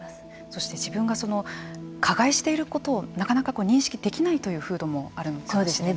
そして自分が加害していることをなかなか認識できないという風土もあるのかもしれないですね。